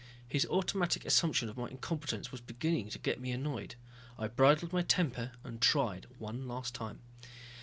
His automatic assumption of my incompetence was beginning to get me annoyed. I bridled my temper and tried one last time.